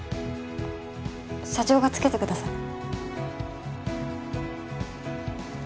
社長がつけてください。